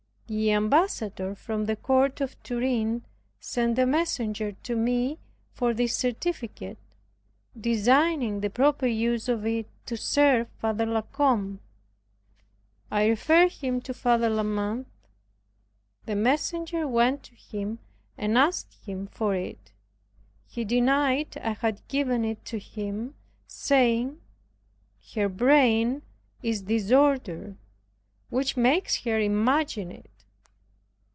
The Ambassador from the Court of Turin sent a messenger to me for this certificate, designing the proper use of it to serve Father La Combe. I referred him to Father La Mothe. The messenger went to him and asked him for it. He denied I had given it to him, saying, "Her brain is disordered which makes her imagine it."